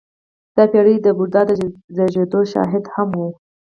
• دا پېړۍ د بودا د زېږېدو شاهده هم وه.